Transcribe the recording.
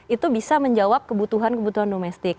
itu bisa menjawab kebutuhan kebutuhan domestik